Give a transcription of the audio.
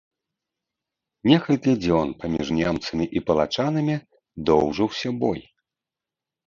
Некалькі дзён паміж немцамі і палачанамі доўжыўся бой.